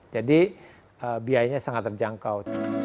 jadi biayanya sangat terjangkau